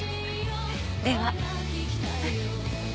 では。